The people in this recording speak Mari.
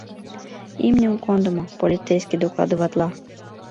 — Имньым кондымо, — полицейский докладыватла.